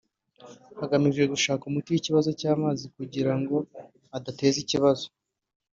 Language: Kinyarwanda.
hagamijwe gushaka umuti w’ikibazo cy’amazi kugira ngo adateza ibibazo